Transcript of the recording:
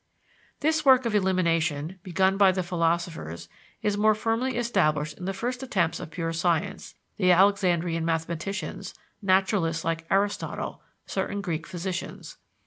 This work of elimination, begun by the philosophers, is more firmly established in the first attempts of pure science (the Alexandrian mathematicians; naturalists like Aristotle; certain Greek physicians).